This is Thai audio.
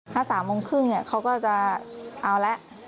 ถ้า๓โมงครึ่งเขาก็จะเอาแล้ว